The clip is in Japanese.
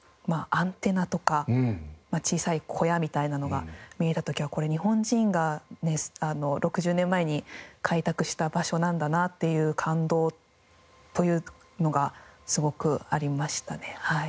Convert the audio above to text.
アンテナとか小さい小屋みたいなのが見えた時はこれ日本人がね６０年前に開拓した場所なんだなっていう感動というのがすごくありましたねはい。